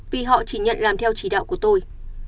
vì họ chỉ nhận làm theo chỉ đạo của tôi